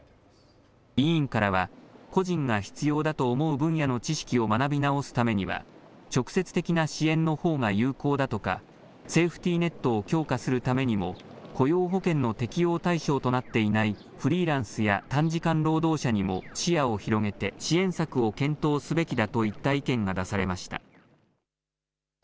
委員からは個人が必要だと思う分野の知識を学び直すためには直接的な支援のほうが有効だとかセーフティーネットを強化するためにも雇用保険の適用対象となっていないフリーランスや短時間労働者にも視野を広げて支援策を検討すべきだといった意見が出されました。